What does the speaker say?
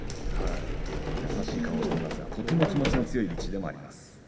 優しい顔をしていますがとても気持ちが強い力士でもあります。